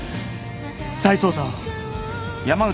再捜査を。